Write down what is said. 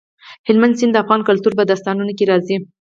هلمند سیند د افغان کلتور په داستانونو کې راځي.